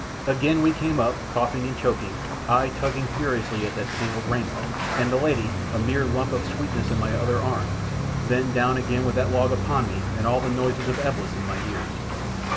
Again we came up, coughing and choking I tugging furiously at that tangled raiment, and the lady, a mere lump of sweetness in my other arm then down again with that log upon me and all the noises of Eblis in my ears.